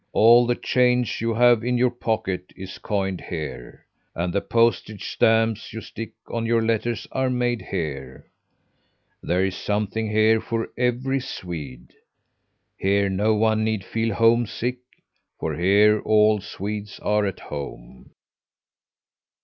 All the change you have in your pocket is coined here, and the postage stamps you stick on your letters are made here. There is something here for every Swede. Here no one need feel homesick, for here all Swedes are at home.